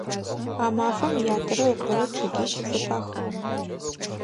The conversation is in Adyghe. А мафэм ятэрэ ыкъорэ чъыгищ зэпахыгъ.